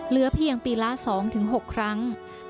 เหลือเพียงปีละ๒๖ครั้ง